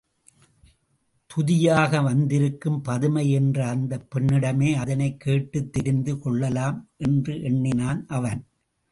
துதியாக வந்திருக்கும் பதுமை என்ற அந்தப் பெண்ணிடமே அதனைக் கேட்டுத் தெரிந்து கொள்ளலாம் என்றெண்ணினான் அவன்.